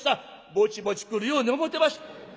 「ぼちぼち来るように思てました」。